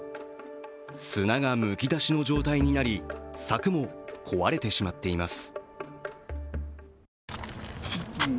砂がむき出しの状態になり、柵も壊れてしまっています。